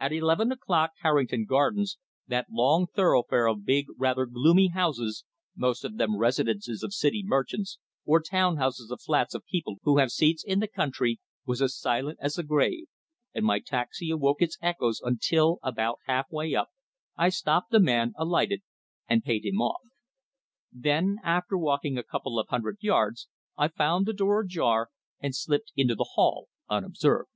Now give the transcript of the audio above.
At eleven o'clock Harrington Gardens that long thoroughfare of big rather gloomy houses, most of them residences of City merchants, or town houses or flats of people who have seats in the country was as silent as the grave, and my taxi awoke its echoes until, about half way up, I stopped the man, alighted, and paid him off. Then, after walking a couple of hundred yards, I found the door ajar and slipped into the hall unobserved.